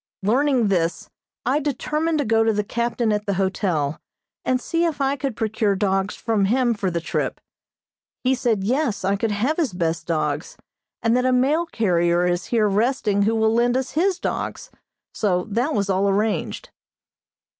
Learning this, I determined to go to the captain at the hotel, and see if I could procure dogs from him for the trip. He said yes, I could have his best dogs, and that a mail carrier is here resting who will lend us his dogs, so that was all arranged.